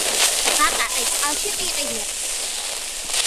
ბაყაყი წყალში ყიყინებს.